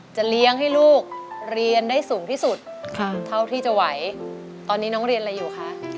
เลี้ยงให้ลูกเรียนได้สูงที่สุดเท่าที่จะไหวตอนนี้น้องเรียนอะไรอยู่คะ